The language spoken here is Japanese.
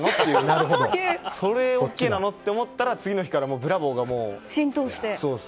それはＯＫなのと思ったら次の日からブラボー！が浸透して。